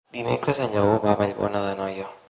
Dimecres en Lleó va a Vallbona d'Anoia.